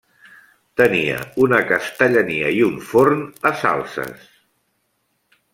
Tenia una castellania i un forn a Salses.